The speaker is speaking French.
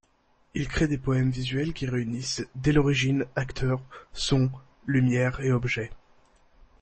Il crée des poèmes visuels qui réunissent dès l'origine acteurs, sons, lumière et objets.